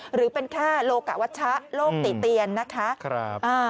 หรือเป็นแค่โลกะวัชชะโลกติเตียนนะคะ